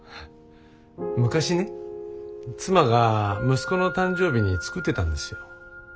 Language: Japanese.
昔ね妻が息子の誕生日に作ってたんですよ。